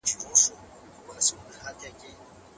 دا ترتيب مهم دئ.